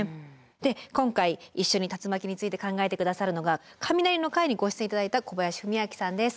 で今回一緒に竜巻について考えてくださるのが雷の回にご出演いただいた小林文明さんです。